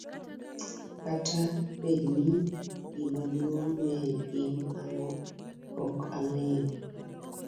kata bed ni gimaduong' ne gin ang'o, ok ang'eyo.